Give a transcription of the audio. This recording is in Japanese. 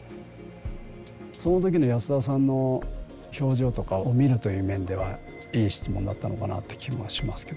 その時の安田さんの表情とかを見るという面ではいい質問だったのかなって気もしますけど。